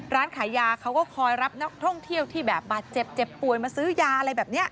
ร้านขายยาเขาก็คอยรับนักท่องเที่ยวที่แบบบาดเจ็บเจ็บป่วยมาซื้อยาอะไรแบบนี้